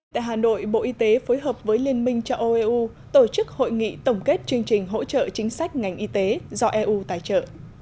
tại hà nội bộ y tế phối hợp với liên minh châu âu eu tổ chức hội nghị tổng kết chương trình hỗ trợ chính sách ngành y tế do eu tài trợ